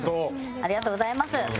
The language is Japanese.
ありがとうございます。